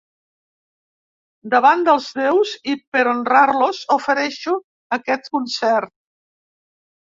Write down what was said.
Davant dels déus, i per honrar-los, ofereixo aquest concert.